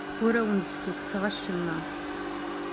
Ur awen-d-ssukkseɣ acemma.